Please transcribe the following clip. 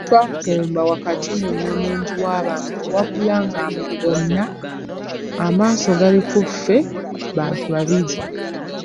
Twakumba wakati mu nnamungi w'abantu wabula nga bonna amaaso gali ku ffe bantu babiri.